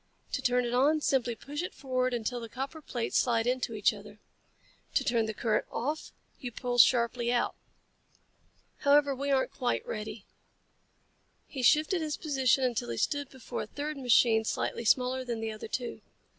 To turn it on, simply push it forward until the copper plates slide into each other. To turn the current off, you pull sharply out. However, we aren't quite ready." He shifted his position until he stood before a third machine slightly smaller than the other two.